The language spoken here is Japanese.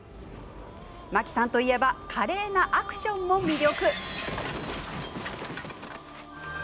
真木さんといえば華麗なアクションも魅力。